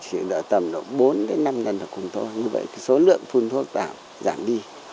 chỉ đỡ tầm bốn năm lần là cùng thôi như vậy số lượng phun thuốc giảm đi